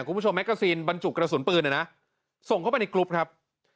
คุณผู้ชมแมกกระซีนบรรจุกกระสุนปืนเลยนะส่งเข้าไปในกลุ่มครับ